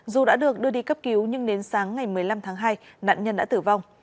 dù đã được đưa đi cấp cứu nhưng đến sáng ngày một mươi năm tháng hai nạn nhân đã tử vong